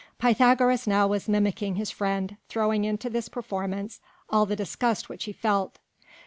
Pythagoras now was mimicking his friend, throwing into this performance all the disgust which he felt.